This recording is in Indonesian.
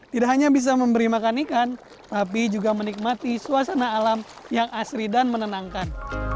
tidak hanya bisa memberi makan ikan tapi juga menikmati suasana alam yang asri dan menenangkan